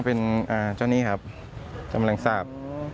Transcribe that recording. เป็นเจ้านี่ครับแมลงสาป